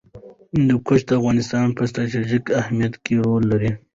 هندوکش د افغانستان په ستراتیژیک اهمیت کې رول لري.